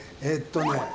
えっとね